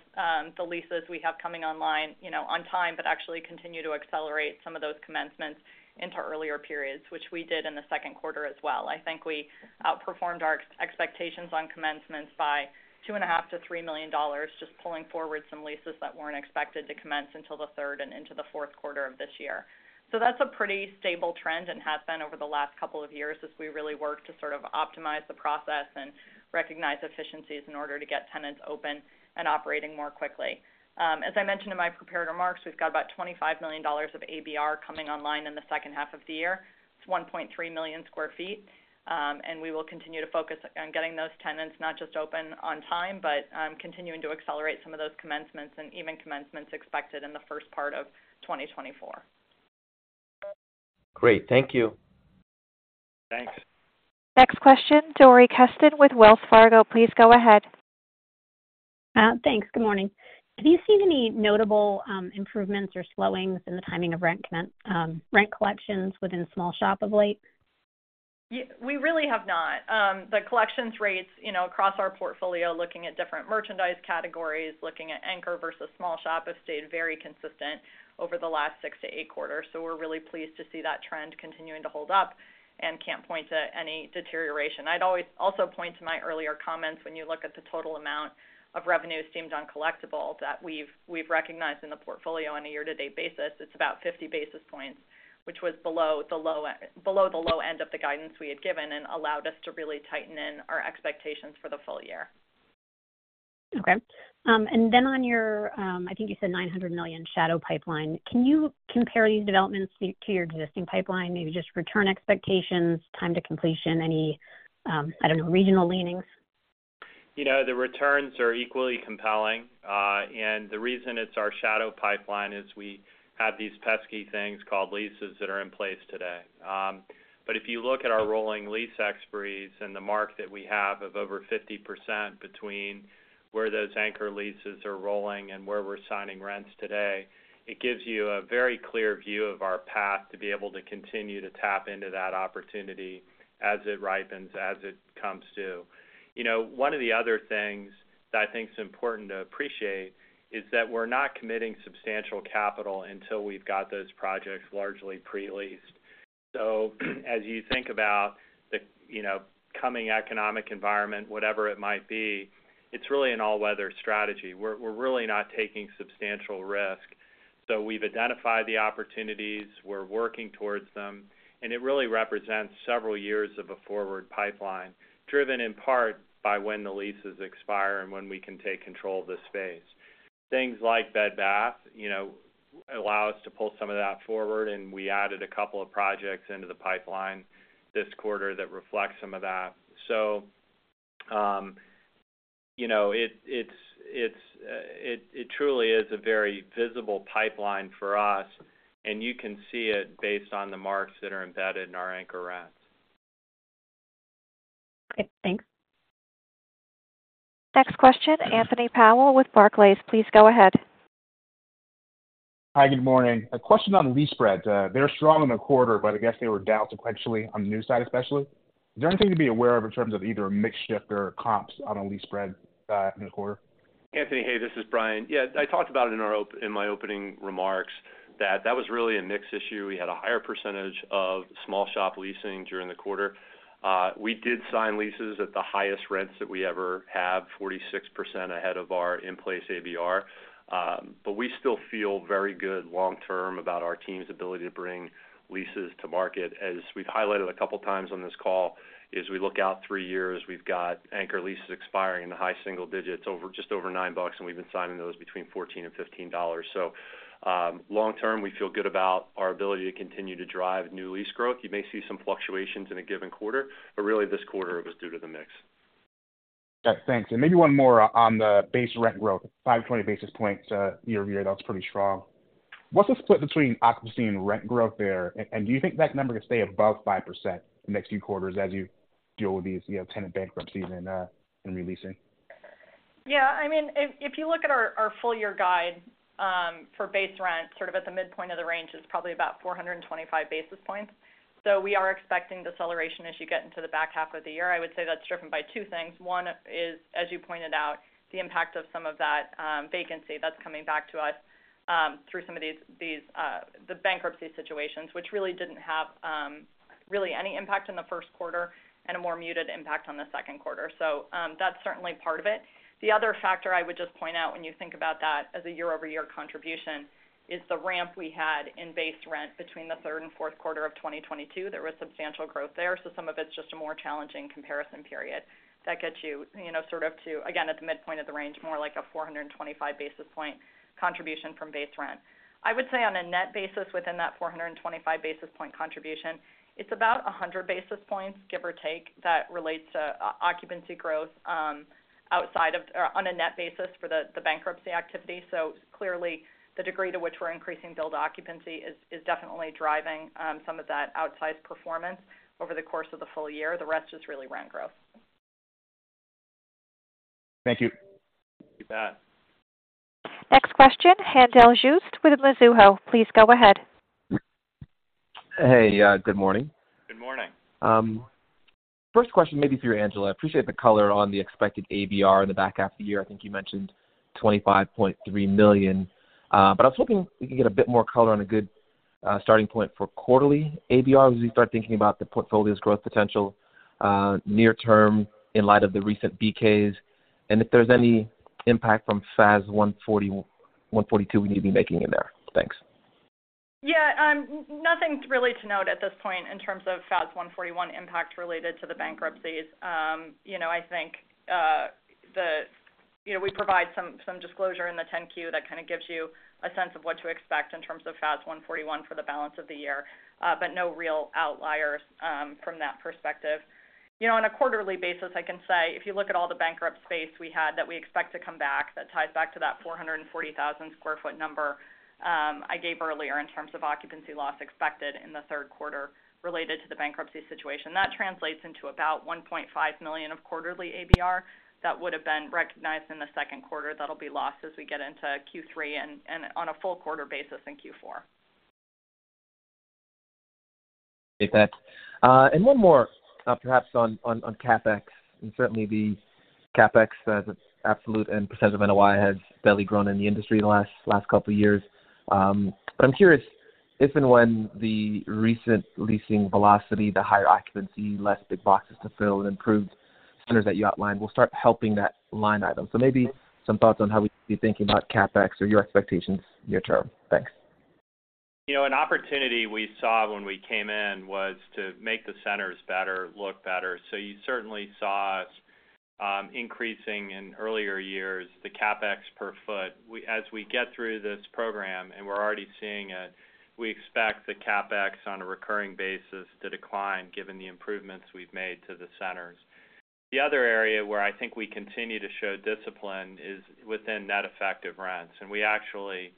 the leases we have coming online, you know, on time, but actually continue to accelerate some of those commencements into earlier periods, which we did in the second quarter as well. I think we outperformed our expectations on commencements by $2.5 million-$3 million, just pulling forward some leases that weren't expected to commence until the third and into the fourth quarter of this year. That's a pretty stable trend and has been over the last couple of years as we really work to sort of optimize the process and recognize efficiencies in order to get tenants open and operating more quickly. As I mentioned in my prepared remarks, we've got about $25 million of ABR coming online in the second half of the year. It's 1.3 million sq ft, and we will continue to focus on getting those tenants not just open on time, but continuing to accelerate some of those commencements and even commencements expected in the first part of 2024. Great. Thank you. Thanks. Next question, Dori Kesten with Wells Fargo. Please go ahead. Thanks. Good morning. Have you seen any notable improvements or slowing within the timing of rent collections within small shop of late? Ye- we really have not. The collections rates, you know, across our portfolio, looking at different merchandise categories, looking at anchor versus small shop, have stayed very consistent over the last six to eight quarters. We're really pleased to see that trend continuing to hold up and can't point to any deterioration. I'd always also point to my earlier comments, when you look at the total amount of revenue deemed uncollectible, that we've, we've recognized in the portfolio on a year-to-date basis, it's about 50 basis points, which was below the low, below the low end of the guidance we had given and allowed us to really tighten in our expectations for the full year. Okay. Then on your, I think you said $900 million shadow pipeline, can you compare these developments to, to your existing pipeline, maybe just return expectations, time to completion, any, I don't know, regional leanings? You know, the returns are equally compelling. The reason it's our shadow pipeline is we have these pesky things called leases that are in place today. If you look at our rolling lease expiries and the mark that we have of over 50% between where those anchor leases are rolling and where we're signing rents today, it gives you a very clear view of our path to be able to continue to tap into that opportunity as it ripens, as it comes due. You know, one of the other things that I think is important to appreciate is that we're not committing substantial capital until we've got those projects largely pre-leased. As you think about the, you know, coming economic environment, whatever it might be, it's really an all-weather strategy. We're, we're really not taking substantial risk. We've identified the opportunities, we're working towards them, and it really represents several years of a forward pipeline, driven in part by when the leases expire and when we can take control of the space. Things like Bed Bath, you know, allow us to pull some of that forward, and we added a couple of projects into the pipeline this quarter that reflect some of that. You know, it truly is a very visible pipeline for us, and you can see it based on the marks that are embedded in our anchor rents. Okay, thanks. Next question, Anthony Powell with Barclays. Please go ahead. Hi, good morning. A question on lease spreads. They're strong in the quarter, but I guess they were down sequentially on the new side, especially. Is there anything to be aware of in terms of either a mix shift or comps on a lease spread in the quarter? Anthony, hey, this is Brian. Yeah, I talked about it in my opening remarks that that was really a mix issue. We had a higher percentage of small shop leasing during the quarter. We did sign leases at the highest rents that we ever have, 46% ahead of our in-place ABR. We still feel very good long term about our team's ability to bring leases to market. As we've highlighted a couple times on this call, as we look out three years, we've got anchor leases expiring in the high single digits, just over $9, and we've been signing those between $14 and $15. Long term, we feel good about our ability to continue to drive new lease growth. You may see some fluctuations in a given quarter, but really, this quarter it was due to the mix. Yeah, thanks. Maybe one more on the base rent growth, 520 basis points year-over-year, that's pretty strong. What's the split between occupancy and rent growth there? Do you think that number could stay above 5% the next few quarters as you deal with these, you know, tenant bankruptcies and re-leasing? Yeah, I mean, if you look at our, our full year guide, for base rent, sort of at the midpoint of the range, is probably about 425 basis points. We are expecting deceleration as you get into the back half of the year. I would say that's driven by two things. One is, as you pointed out, the impact of some of that vacancy that's coming back to us, through some of these, these, the bankruptcy situations, which really didn't have really any impact in the first quarter and a more muted impact on the second quarter. That's certainly part of it. The other factor I would just point out when you think about that as a year-over-year contribution, is the ramp we had in base rent between the third and fourth quarter of 2022. There was substantial growth there. Some of it's just a more challenging comparison period. That gets you, you know, sort of to, again, at the midpoint of the range, more like a 425 basis point contribution from base rent. I would say on a net basis, within that 425 basis point contribution, it's about 100 basis points, give or take, that relates to occupancy growth, outside of or on a net basis for the bankruptcy activity. Clearly, the degree to which we're increasing build occupancy is definitely driving some of that outsized performance over the course of the full year. The rest is really rent growth. Thank you. You bet. Next question, Haendel St. Juste with Mizuho. Please go ahead. Hey, good morning. Good morning. First question, maybe for you, Angela. I appreciate the color on the expected ABR in the back half of the year. I think you mentioned $25.3 million. But I was hoping we could get a bit more color on a good starting point for quarterly ABR as we start thinking about the portfolio's growth potential near term, in light of the recent BKs, and if there's any impact from FAS 141 and 142 we need to be making in there. Thanks. Yeah, nothing really to note at this point in terms of FAS 141 impact related to the bankruptcies. You know, I think, you know, we provide some, some disclosure in the 10-Q that kind of gives you a sense of what to expect in terms of FAS 141 for the balance of the year, but no real outliers from that perspective. You know, on a quarterly basis, I can say, if you look at all the bankrupt space we had that we expect to come back, that ties back to that 440,000 sq ft number, I gave earlier in terms of occupancy loss expected in the third quarter related to the bankruptcy situation. That translates into about $1.5 million of quarterly ABR that would have been recognized in the second quarter. That'll be lost as we get into Q3 and, and on a full quarter basis in Q4. Appreciate that. One more, perhaps on, on, on CapEx. Certainly the CapEx as an absolute and percent of NOI has barely grown in the industry in the last, last couple of years. I'm curious if and when the recent leasing velocity, the higher occupancy, less big boxes to fill, and improved centers that you outlined will start helping that line item. Maybe some thoughts on how we should be thinking about CapEx or your expectations near term. Thanks. You know, an opportunity we saw when we came in was to make the centers better, look better. You certainly saw us increasing in earlier years, the CapEx per foot. As we get through this program, and we're already seeing it, we expect the CapEx on a recurring basis to decline, given the improvements we've made to the centers. The other area where I think we continue to show discipline is within net effective rents. We actually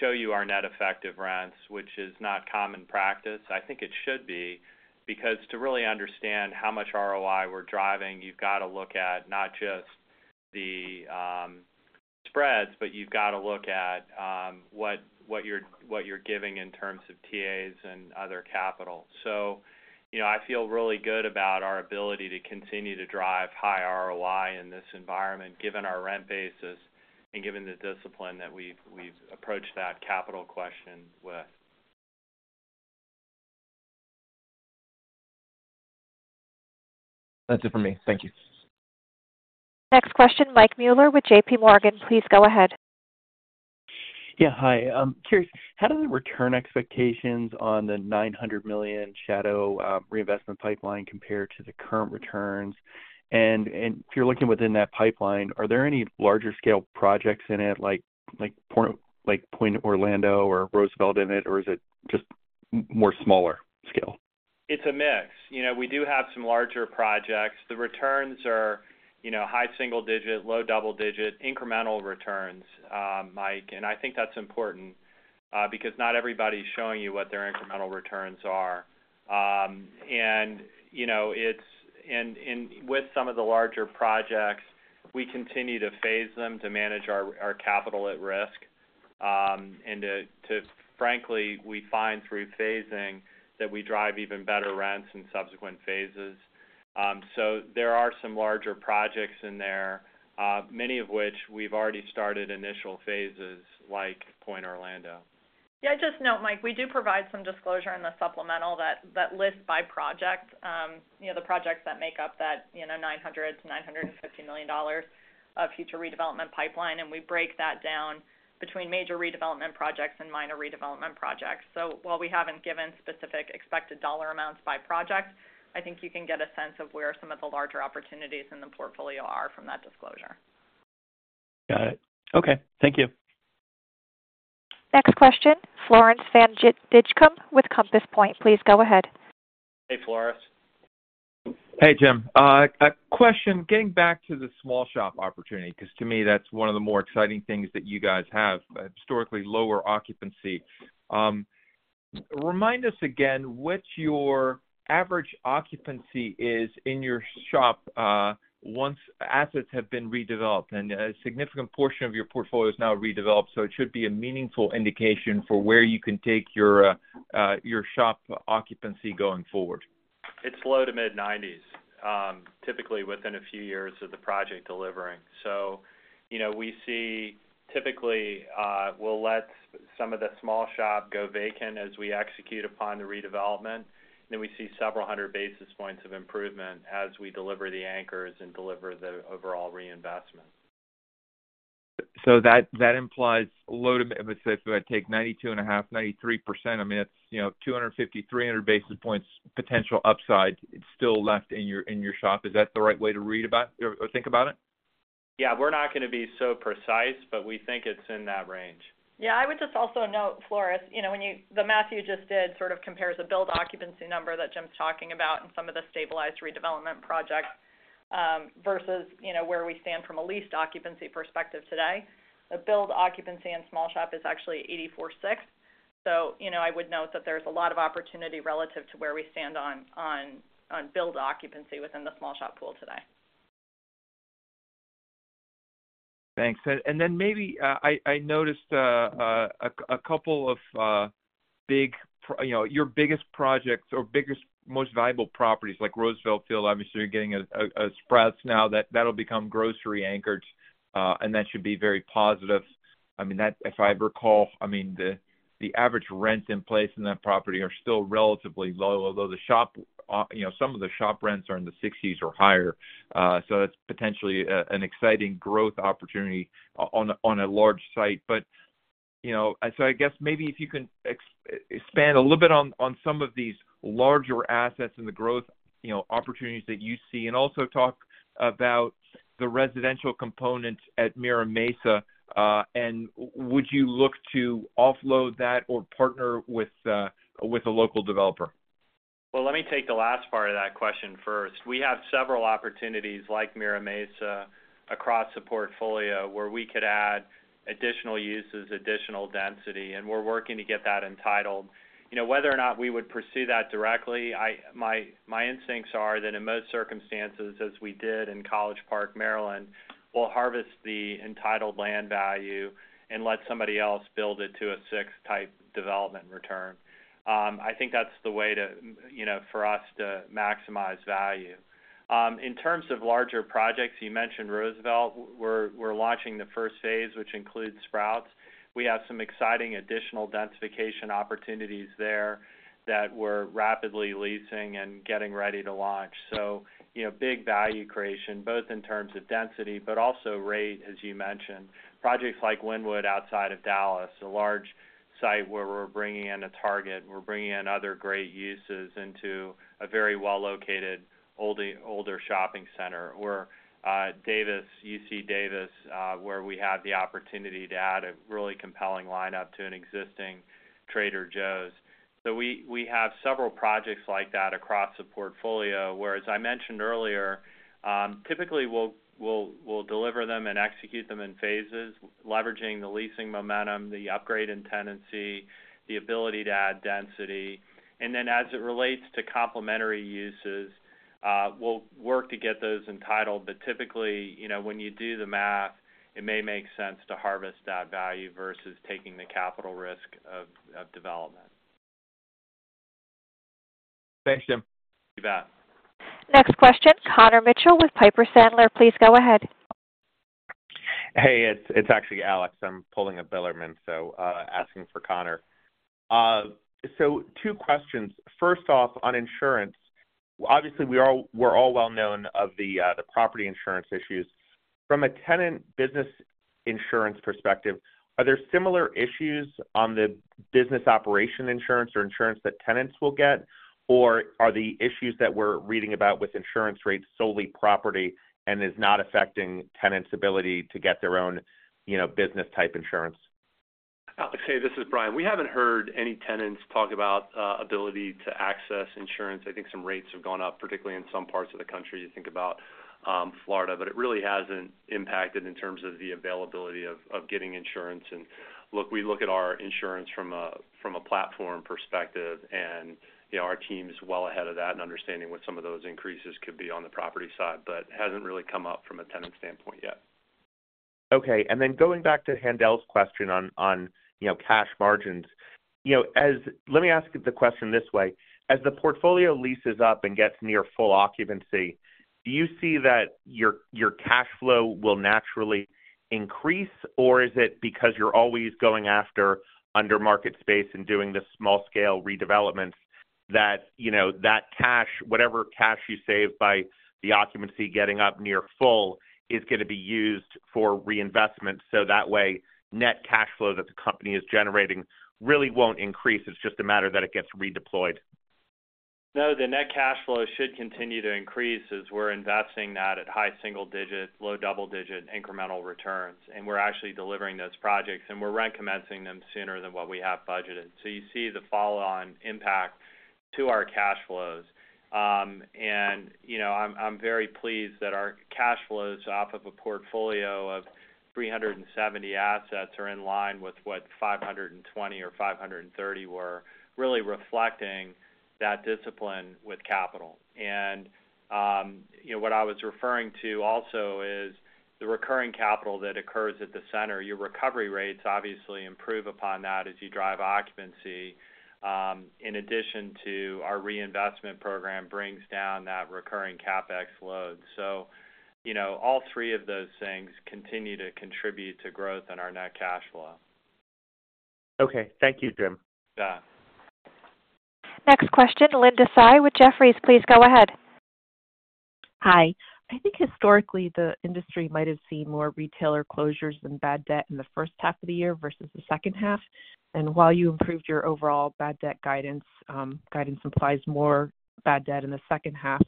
show you our net effective rents, which is not common practice. I think it should be, because to really understand how much ROI we're driving, you've got to look at not just the spreads, but you've got to look at what, what you're, what you're giving in terms of TAs and other capital. You know, I feel really good about our ability to continue to drive high ROI in this environment, given our rent basis and given the discipline that we've approached that capital question with. That's it for me. Thank you. Next question, Mike Mueller with JPMorgan. Please go ahead. Yeah, hi. I'm curious, how do the return expectations on the $900 million shadow reinvestment pipeline compare to the current returns? If you're looking within that pipeline, are there any larger scale projects in it, like Pointe Orlando or Roosevelt in it, or is it just more smaller scale? It's a mix. You know, we do have some larger projects. The returns are, you know, high single digit, low double digit, incremental returns, Mike, and I think that's important because not everybody's showing you what their incremental returns are. You know, with some of the larger projects, we continue to phase them to manage our, our capital at risk, and frankly, we find through phasing that we drive even better rents in subsequent phases. There are some larger projects in there, many of which we've already started initial phases, like Pointe Orlando. Yeah, just to note, Mike, we do provide some disclosure in the supplemental that, that lists by project, you know, the projects that make up that, you know, $900 million-$950 million of future redevelopment pipeline, and we break that down between major redevelopment projects and minor redevelopment projects. While we haven't given specific expected dollar amounts by project, I think you can get a sense of where some of the larger opportunities in the portfolio are from that disclosure. Got it. Okay, thank you. Next question, Floris van Dijkum with Compass Point. Please go ahead. Hey, Floris. Hey, Jim, a question, getting back to the small shop opportunity, because to me, that's one of the more exciting things that you guys have, historically, lower occupancy. Remind us again what your average occupancy is in your shop, once assets have been redeveloped, and a significant portion of your portfolio is now redeveloped, so it should be a meaningful indication for where you can take your shop occupancy going forward. It's low to mid-90s, typically within a few years of the project delivering. You know, we see typically, we'll let some of the small shop go vacant as we execute upon the redevelopment. We see several hundred basis points of improvement as we deliver the anchors and deliver the overall reinvestment. That, that implies a load of if I take 92.5%, 93%, I mean, it's, you know, 250, 300 basis points, potential upside still left in your, in your shop. Is that the right way to read about or, or think about it? Yeah, we're not going to be so precise, but we think it's in that range. Yeah, I would just also note, Floris, you know, when the math you just did sort of compares a build occupancy number that Jim's talking about in some of the stabilized redevelopment projects, versus, you know, where we stand from a leased occupancy perspective today. The build occupancy in small shop is actually 84.6. You know, I would note that there's a lot of opportunity relative to where we stand on, on, on build occupancy within the small shop pool today. Thanks. Then maybe, I noticed, acouple of, big-- you know, your biggest projects or biggest, most valuable properties like Roosevelt Field. Obviously, you're getting a, a Sprouts now that will become grocery anchored, and that should be very positive. I mean, that-- if I recall, I mean, the, the average rents in place in that property are still relatively low, although the shop, you know, some of the shop rents are in the $60s or higher. That's potentially, an exciting growth opportunity on a, on a large site. You know, I guess maybe if you can expand a little bit on, on some of these larger assets and the growth, you know, opportunities that you see, and also talk about the residential components at Mira Mesa, and would you look to offload that or partner with a local developer? Well, let me take the last part of that question first. We have several opportunities like Mira Mesa across the portfolio, where we could add additional uses, additional density, and we're working to get that entitled. You know, whether or not we would pursue that directly, my instincts are that in most circumstances, as we did in College Park, Maryland, we'll harvest the entitled land value and let somebody else build it to a 6-type development return. I think that's the way to, you know, for us to maximize value. In terms of larger projects, you mentioned Roosevelt. We're, we're launching the first phase, which includes Sprouts. We have some exciting additional densification opportunities there that we're rapidly leasing and getting ready to launch. You know, big value creation, both in terms of density, but also rate, as you mentioned. Projects like Wynwood, outside of Dallas, a large site where we're bringing in a Target, we're bringing in other great uses into a very well located, older, older shopping center, or Davis, UC Davis, where we have the opportunity to add a really compelling lineup to an existing Trader Joe's. We, we have several projects like that across the portfolio, where, as I mentioned earlier, typically we'll deliver them and execute them in phases, leveraging the leasing momentum, the upgrade in tenancy, the ability to add density. As it relates to complementary uses, we'll work to get those entitled. Typically, you know, when you do the math, it may make sense to harvest that value versus taking the capital risk of, of development. Thanks, Jim. You bet. Next question, Connor Mitchell with Piper Sandler. Please go ahead. Hey, it's, it's actually Alex. I'm pulling a Billerman, so, asking for Connor. Two questions. First off, on insurance, obviously, we're all well known of the, the property insurance issues. From a tenant business insurance perspective, are there similar issues on the business operation insurance or insurance that tenants will get? Or are the issues that we're reading about with insurance rates solely property and is not affecting tenants ability to get their own, you know, business type insurance? Alex, hey, this is Brian. We haven't heard any tenants talk about ability to access insurance. I think some rates have gone up, particularly in some parts of the country. You think about Florida, but it really hasn't impacted in terms of the availability of, of getting insurance. Look, we look at our insurance from a, from a platform perspective, and, you know, our team is well ahead of that and understanding what some of those increases could be on the property side, but it hasn't really come up from a tenant standpoint yet. Okay, going back to Haendel's question on, you know, cash margins. You know, let me ask the question this way: As the portfolio leases up and gets near full occupancy, do you see that your cash flow will naturally increase, or is it because you're always going after under market space and doing the small scale redevelopments that, you know, that cash, whatever cash you save by the occupancy getting up near full, is going to be used for reinvestment so that way, net cash flow that the company is generating really won't increase? It's just a matter that it gets redeployed. No, the net cash flow should continue to increase as we're investing that at high single digits, low double-digit incremental returns. We're actually delivering those projects, and we're recommencing them sooner than what we have budgeted. You see the follow-on impact to our cash flows. You know, I'm very pleased that our cash flows off of a portfolio of 370 assets are in line with what 520 or 530 were, really reflecting that discipline with capital. You know, what I was referring to also is the recurring capital that occurs at the center. Your recovery rates obviously improve upon that as you drive occupancy, in addition to our reinvestment program brings down that recurring CapEx load. You know, all three of those things continue to contribute to growth in our net cash flow. Okay. Thank you, Jim. Yeah. Next question, Linda Tsai with Jefferies, please go ahead. Hi. I think historically, the industry might have seen more retailer closures than bad debt in the first half of the year versus the second half. While you improved your overall bad debt guidance, guidance implies more bad debt in the second half.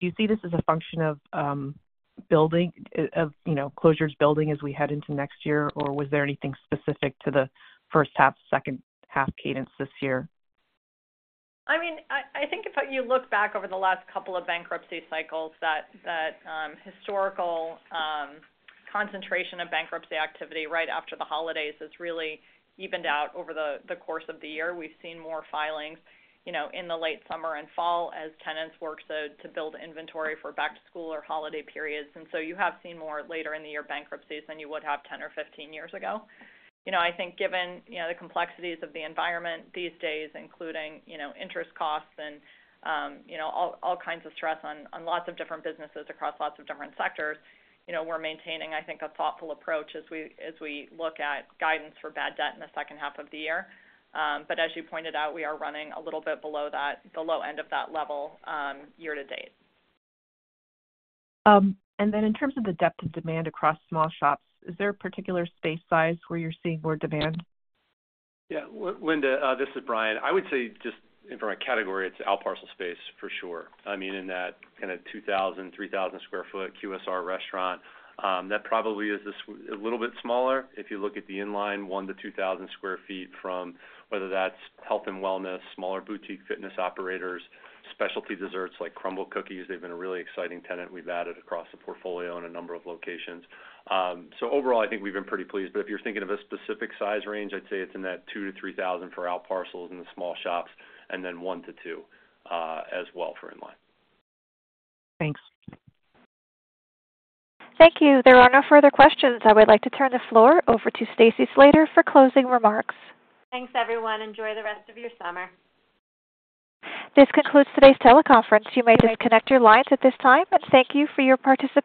Do you see this as a function of building of, you know, closures building as we head into next year? Or was there anything specific to the first half, second half cadence this year? I mean, I think if you look back over the last couple of bankruptcy cycles, that, that, historical, concentration of bankruptcy activity right after the holidays has really evened out over the, the course of the year. We've seen more filings, you know, in the late summer and fall as tenants work to build inventory for back-to-school or holiday periods. You have seen more later in the year bankruptcies than you would have 10 or 15 years ago. You know, I think given, you know, the complexities of the environment these days, including, you know, interest costs and, you know, all, all kinds of stress on lots of different businesses across lots of different sectors, you know, we're maintaining, I think, a thoughtful approach as we look at guidance for bad debt in the second half of the year. As you pointed out, we are running a little bit below that, the low end of that level, year-to-date. In terms of the depth of demand across small shops, is there a particular space size where you're seeing more demand? Yeah. Linda, this is Brian. I would say just from a category, it's outparcel space for sure. I mean, in that kind of 2,000-3,000 sq ft QSR restaurant, that probably is a little bit smaller. If you look at the inline, 1,000-2,000 sq ft from whether that's health and wellness, smaller boutique fitness operators, specialty desserts like Crumbl Cookies. They've been a really exciting tenant we've added across the portfolio in a number of locations. Overall, I think we've been pretty pleased. If you're thinking of a specific size range, I'd say it's in that 2,000-3,000 for outparcels in the small shops, and then 1,000-2,000 as well for inline. Thanks. Thank you. There are no further questions. I would like to turn the floor over to Stacy Slater for closing remarks. Thanks, everyone. Enjoy the rest of your summer. This concludes today's teleconference. You may disconnect your lines at this time, and thank you for your participation.